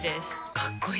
かっこいい！